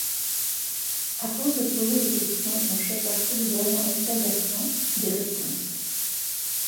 À force de poser des questions, on chope un truc vraiment escagassant : des réponses.